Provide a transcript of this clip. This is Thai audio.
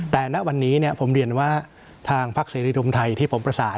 แต่ณวันนี้เนี่ยผมเรียนว่าทางภาคศรีรุมไทยที่ผมประสาน